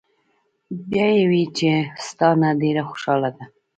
" بیا ئې وې چې " ستا نه ډېره خوشاله ده